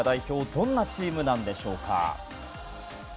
どんなチームなんでしょうか。